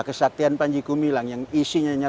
kesaktian panji gumilang yang isinya hanya